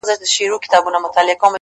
داسي ژوند هم راځي تر ټولو عزتمن به يې ـ